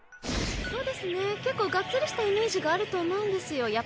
そうですね結構ガッツリしたイメージがあるとおもうんですよ。